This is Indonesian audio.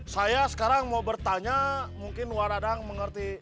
saya sekarang mau bertanya mungkin waradang mengerti